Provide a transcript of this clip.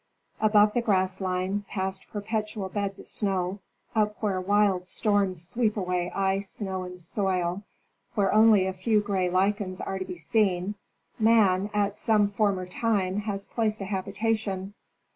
Above the grass line, past perpetual beds of snow, up where wild storms sweep away ice, snow, and soil, where only a few gray lichens are to be seen, man, at some former time, has placed a habitation.